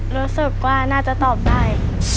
รู้สึกว่าน่าจะตอบได้